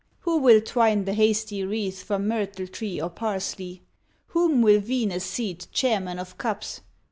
Who will twine The hasty wreath from myrtle tree Or parsley? Whom will Venus seat Chairman of cups?